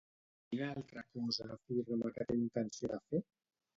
Quina altra cosa afirma que té intenció de fer?